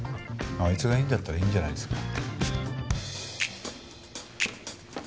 あいつがいいんだったらいいんじゃないですか。